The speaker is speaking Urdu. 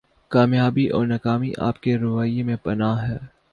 کامیابی اور ناکامی آپ کے رویہ میں پنہاں ہے